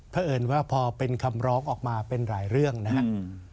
เพราะเอิญว่าพอเป็นคำร้องออกมาเป็นหลายเรื่องนะครับ